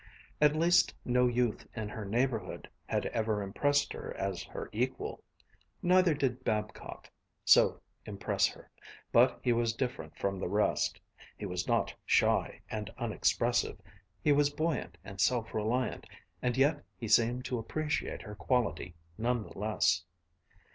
At least no youth in her neighborhood had ever impressed her as her equal. Neither did Babcock so impress her; but he was different from the rest. He was not shy and unexpressive; he was buoyant and self reliant, and yet he seemed to appreciate her quality none the less.